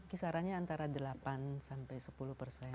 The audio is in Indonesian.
kisarannya antara delapan sampai sepuluh persen